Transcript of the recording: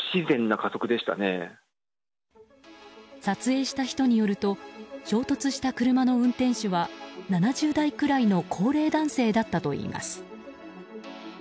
撮影した人によると衝突した車の運転手は７０代くらいの高齢男性だったといいます。